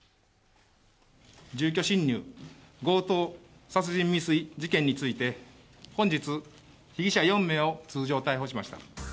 住居侵入・強盗殺人未遂事件について、本日、被疑者４名を通常逮捕しました。